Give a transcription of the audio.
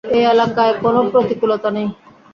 এই এলাকায় কোন প্রতিকূলতা নেই।